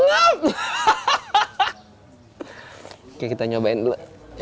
oke kita nyobain dulu